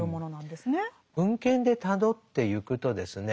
文献でたどってゆくとですね